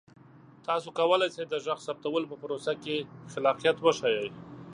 تاسو کولی شئ د غږ ثبتولو په پروسه کې خلاقیت وښایئ.